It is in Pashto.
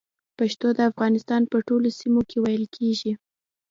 پښتو د افغانستان په ټولو سيمو کې ویل کېږي